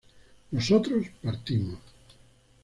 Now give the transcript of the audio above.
nosotros partimos